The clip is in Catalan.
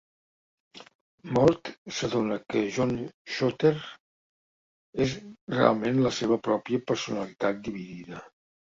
Mort s'adona que John Shooter és realment la seva pròpia personalitat dividida.